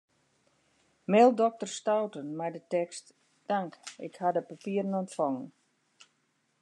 Mail dokter Stouten mei de tekst: Tanke, ik ha de papieren ûntfongen.